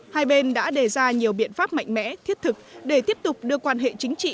hai bên đã đề ra nhiều biện pháp mạnh mẽ thiết thực để tiếp tục đưa quan hệ chính trị